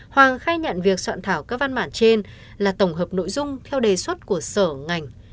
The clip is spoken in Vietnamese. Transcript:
hoàng khai nhận việc soạn thảo các văn bản trên là tổng hợp nội dung theo đề xuất của sở ngành